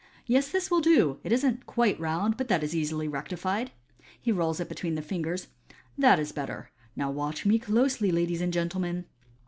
"Yes, this will do. It isn't quite round, but that is easily rectified.*' He rolls it between the fingers. "That is better. Now watch me closely, ladies and gentlemen.'